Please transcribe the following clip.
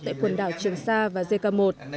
tại quần đảo trường sa và dê cà một